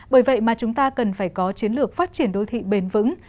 bởi vậy mà chúng ta cần phải có chiến lược phát triển đô thị bền vững